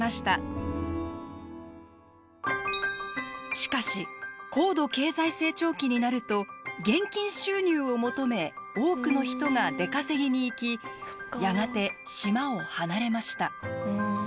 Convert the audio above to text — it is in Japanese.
しかし高度経済成長期になると現金収入を求め多くの人が出稼ぎに行きやがて島を離れました。